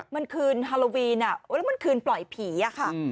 แล้วมันคืนปล่อยผีอะค่ะ